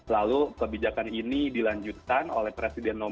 lalu kebijakan ini dilanjutkan oleh presiden kim dae jong